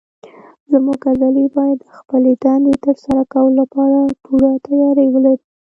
زموږ عضلې باید د خپلې دندې تر سره کولو لپاره پوره تیاری ولري.